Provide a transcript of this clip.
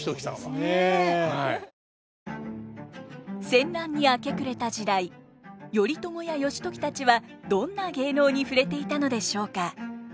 戦乱に明け暮れた時代頼朝や義時たちはどんな芸能に触れていたのでしょうか。